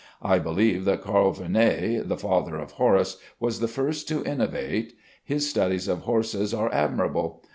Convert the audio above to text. I believe that Carl Vernet (the father of Horace) was the first to innovate. His studies of horses are admirable.